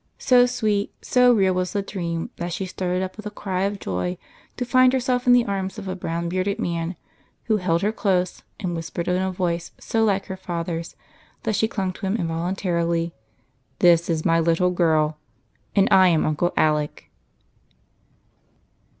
So sweet, so real was the dream, that she started up with a cry of joy to find herself in the arms of a brown, bearded man, who held her close, and whispered in a voice so like her father's that she clung to him involuntarily, —'' This is my little girl, and I am Uncle Alec."